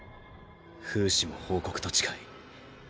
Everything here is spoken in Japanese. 風姿も報告と近い。